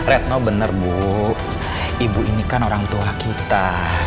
retno benar bu ibu ini kan orang tua kita